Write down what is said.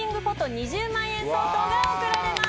２０万円相当が贈られます。